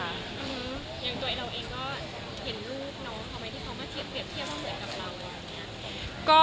อย่างตัวเองก็เห็นลูกน้องเขาไหม